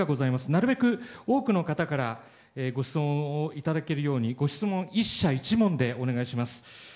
なるべく多くの方からご質問をいただけるようにご質問１社１問でお願いします。